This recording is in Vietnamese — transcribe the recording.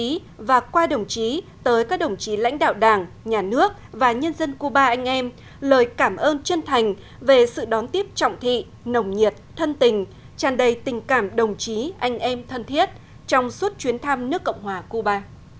ký và qua đồng chí tới các đồng chí lãnh đạo đảng nhà nước và nhân dân cuba anh em lời cảm ơn chân thành về sự đón tiếp trọng thị nồng nhiệt thân tình tràn đầy tình cảm đồng chí anh em thân thiết trong suốt chuyến thăm nước cộng hòa cuba